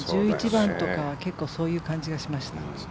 １１番とかは結構そういう感じがしました。